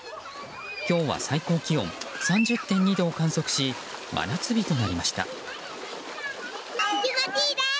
今日は最高気温３０．２度を観測し真夏日となりました。